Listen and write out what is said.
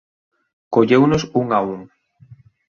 Colleunos un a un.